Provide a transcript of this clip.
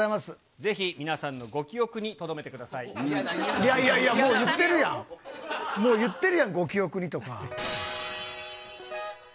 ぜひ皆さんのご記憶にとどめいやいやいや、もう言ってるやん、もう言ってるやん、ご記憶にとか。